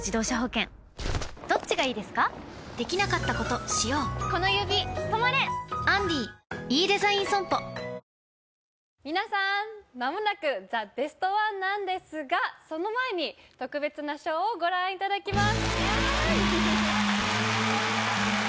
糖質ゼロ皆さんまもなくザ・ベストワンなんですがその前に特別なショーをご覧いただきます